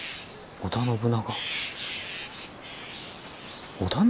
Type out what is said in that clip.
織田信長？